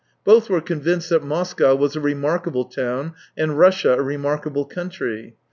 Both were convinced that Moscow was a remarkable town, and Russia a remarkable country.